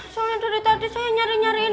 soalnya dari tadi saya nyari nyariin